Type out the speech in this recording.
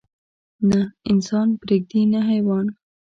نه انسان پرېږدي نه حيوان.